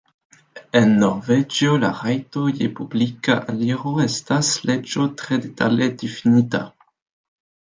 En Norvegio la rajto je publika aliro estas leĝo tre detale difinita.